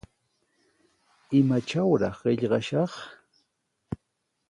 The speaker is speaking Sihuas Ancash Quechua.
¿Imatrawraq qillqashaq?